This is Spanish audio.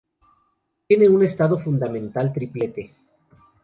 Tiene un estado fundamental triplete.